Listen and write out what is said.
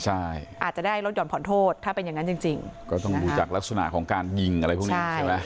ใช่อาจจะได้ลดห่อนผ่อนโทษถ้าเป็นอย่างนั้นจริงจริงก็ต้องดูจากลักษณะของการยิงอะไรพวกนี้ใช่ไหม